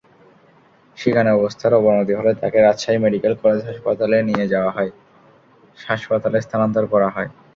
সেখানে অবস্থার অবনতি হলে তাঁকে রাজশাহী মেডিকেল কলেজ হাসপাতালে স্থানান্তর করা হয়।